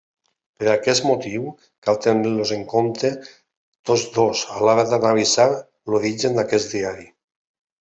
Per aquest motiu, cal tenir-los en compte tots dos a l'hora d'analitzar l'origen d'aquest diari.